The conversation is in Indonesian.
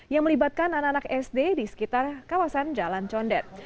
yang melibatkan anak anak sd di sekitar kawasan jalan condet